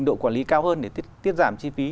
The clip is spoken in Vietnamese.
độ quản lý cao hơn để tiết giảm chi phí